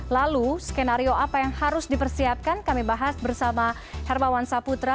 lalu skenario apa yang harus dipersiapkan kami bahas bersama hermawan saputra